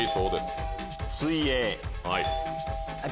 水泳。